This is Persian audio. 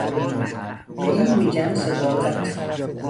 به این می گن صداقت